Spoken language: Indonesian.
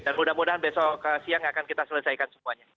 dan mudah mudahan besok ke siang akan kita selesaikan semuanya